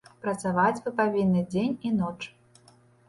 Працаваць вы павінны дзень і ноч.